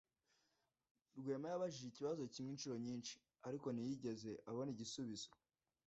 Rwema yabajije ikibazo kimwe inshuro nyinshi, ariko ntiyigeze abona igisubizo.